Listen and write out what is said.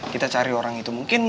kita cari orang itu mungkin